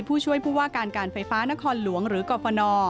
ผู้ช่วยผู้ว่าการการไฟฟ้านครหลวงหรือกรฟน